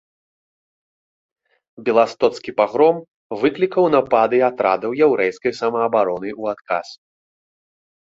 Беластоцкі пагром выклікаў напады атрадаў яўрэйскай самаабароны ў адказ.